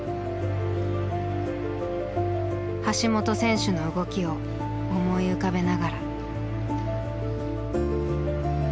橋本選手の動きを思い浮かべながら。